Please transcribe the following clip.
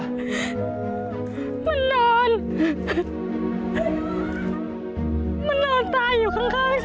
มันนอนมันนอนตายอยู่ข้างฉันได้แล้วพี่